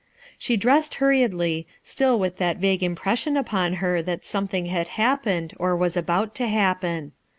She dressed hurriedly, still with that vague impression upon her that something had hap pened or was about to happen.